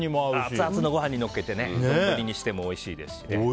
アツアツのご飯にのっけてどんぶりにしてもおいしいですね。